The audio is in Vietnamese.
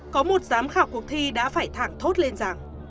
có một giám khảo cuộc thi đã phải thẳng thốt lên rằng